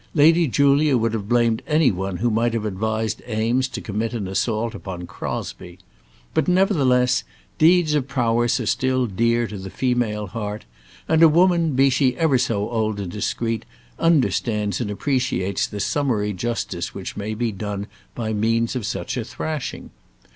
Lady Julia would have blamed any one who might have advised Eames to commit an assault upon Crosbie. But, nevertheless, deeds of prowess are still dear to the female heart, and a woman, be she ever so old and discreet, understands and appreciates the summary justice which may be done by means of a thrashing.